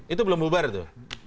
itu belum bubar tuh